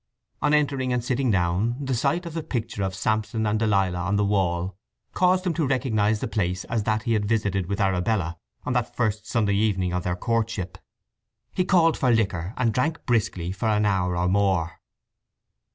On entering and sitting down the sight of the picture of Samson and Delilah on the wall caused him to recognize the place as that he had visited with Arabella on that first Sunday evening of their courtship. He called for liquor and drank briskly for an hour or more.